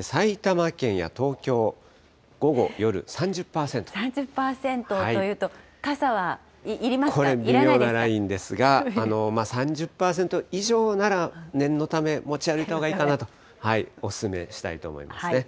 埼玉県や東京、午後、３０％というと、傘はいりまこれ、微妙なラインですが、３０％以上なら、念のため持ち歩いたほうがいいかなと、お勧めしたいと思いますね。